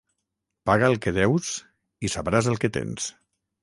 Paga el que deus, i sabràs el que tens.